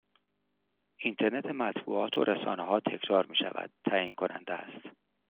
اینترنت مطبوعات و رسانه ها تکرار می شود تعیین کننده است